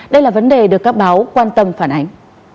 đây là vấn đề được các báo quan tâm phản ánh